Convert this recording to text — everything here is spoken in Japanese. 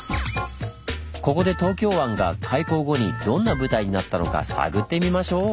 ここで東京湾が開港後にどんな舞台になったのか探ってみましょう！